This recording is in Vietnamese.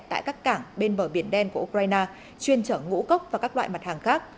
tại các cảng bên bờ biển đen của ukraine chuyên chở ngũ cốc và các loại mặt hàng khác